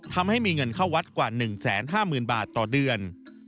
ทำให้มีเงินเข้าวัดกว่า๑๕๐๐๐บาทต่อเดือน